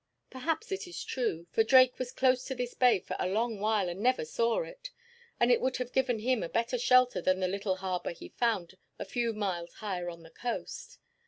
Perhaps it is true, for Drake was close to this bay for a long while and never saw it, and it would have given him a better shelter than the little harbor he found a few miles higher on the coast.